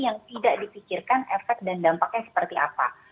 yang tidak dipikirkan efek dan dampaknya seperti apa